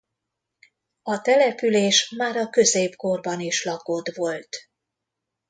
A település már a középkorban is lakott volt.